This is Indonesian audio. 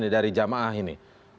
dari jemaah ini